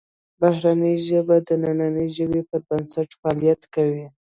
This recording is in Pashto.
بهرنۍ ژبه د دنننۍ ژبې پر بنسټ فعالیت کوي